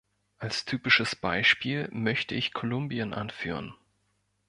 Als typisches Beispiel möchte ich Kolumbien anführen.